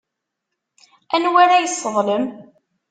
Anwa ara yesseḍlem?